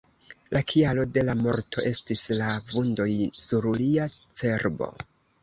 La kialo de la morto estis la vundoj sur lia cerbo.